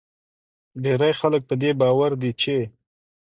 ډیری خلک په دې باور دي چې